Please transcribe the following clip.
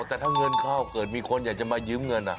แต่ถ้าเงินเข้าเกิดมีคนอยากจะมายืมเงิน